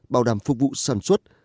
bảo đảm phục vụ sản xuất